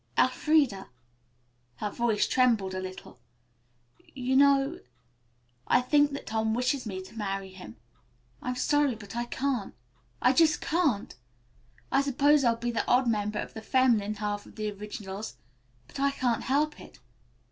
"Elfreda," her voice trembled a little, "you know, I think, that Tom wishes me to marry him. I'm sorry, but I can't. I just can't. I suppose I'll be the odd member of the feminine half of the Originals, but I can't help it.